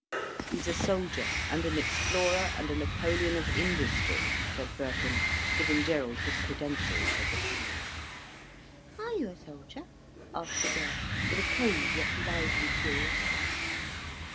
"He's a soldier, and an explorer, and a Napoleon of industry," said Birkin, giving Gerald his credentials for Bohemia. "Are you a soldier?" asked the girl, with a cold yet lively curiosity.